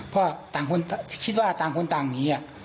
เพราะต่างคนตังค์คิดว่าต่างคนต่างงี้